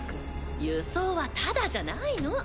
輸送はタダじゃないの。